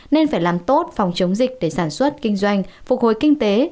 nên phải làm tốt phòng chống dịch để sản xuất kinh doanh phục hồi kinh tế